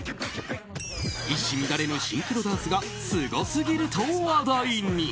一糸乱れぬシンクロダンスがすごすぎると話題に。